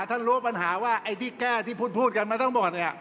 ท่านรู้ปัญหาว่าที่แก้ที่พูดกันมาทั้งหมด